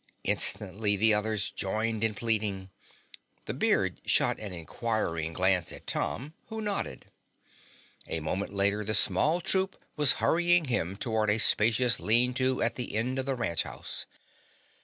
Instantly the others joined in pleading. The beard shot an inquiring glance at Tom, who nodded. A moment later the small troupe was hurrying him toward a spacious lean to at the end of the ranch house.